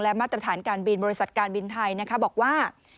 และมาตรฐานการบินบริษัทการบินไทยนะครับบอกว่า